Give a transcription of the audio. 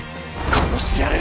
殺してやる！